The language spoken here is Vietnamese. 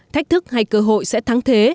thách thức hay cơ hội sẽ thắng thế